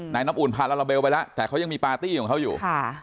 น้ำอุ่นพาลาลาเบลไปแล้วแต่เขายังมีปาร์ตี้ของเขาอยู่